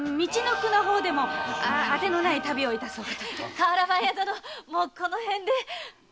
瓦版屋殿もうこの辺で。